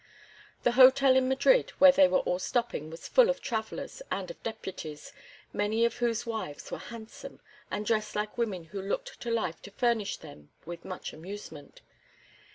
The hotel in Madrid where they were all stopping was full of travellers and of deputies, many of whose wives were handsome, and dressed like women who looked to life to furnish them with much amusement.